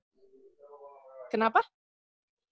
jasmine apa nggak ada ya